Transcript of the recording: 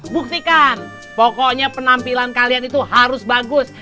buktikan pokoknya penampilan kalian itu harus bagus